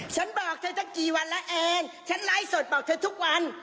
ฉันบอกเธอตั้งกี่วันแล้วเองฉันไลฟ์สดบอกเธอทุกวัน